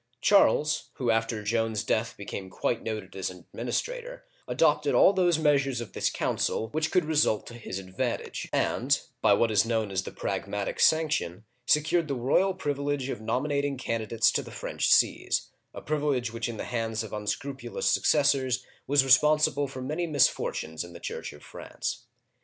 Charles, who after Joan's death became quite noted as an administrator, adopted all those measures of this council which could result to his advan tage, and, by what is known as the Pragmatic Sanction, secured the royal privilege of nominating candidates to the French sees, a privilege which in the hands of unscrupulous successors was responsible for many misfortunes in the Church of France.